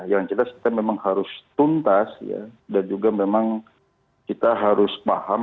yang jelas kita memang harus tuntas dan juga memang kita harus paham